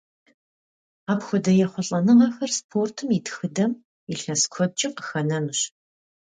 Апхуэдэ ехъулӏэныгъэхэр спортым и тхыдэм илъэс куэдкӏэ къыхэнэнущ.